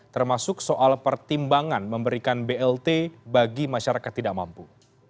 termasuk soal pertimbangan memberikan blt bagi masyarakat tidak mampu